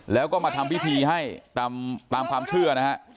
แล้วก็มาทำพิธีให้ตามความเชื่อนะฮะ